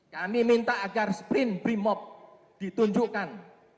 kami minta agar sprint brimop ditunjukkan